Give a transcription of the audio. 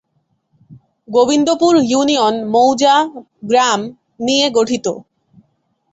Gobindapur union মৌজা/গ্রাম নিয়ে গঠিত।